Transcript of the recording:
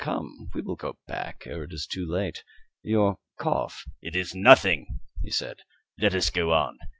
Come, we will go back ere it is too late. Your cough " "It is nothing," he said; "let us go on.